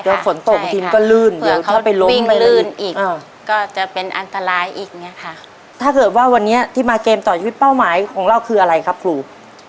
เดี๋ยวฝนตกบางทีมันก็ลื่นเดี๋ยวเข้าไปลงวิ่งลื่นอีกก็จะเป็นอันตรายอีกเนี่ยค่ะถ้าเกิดว่าวันนี้ที่มาเกมต่อชีวิตเป้าหมายของเราคืออะไรครับครู